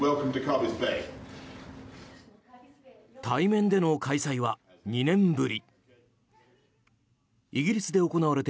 対面での開催は２年ぶり。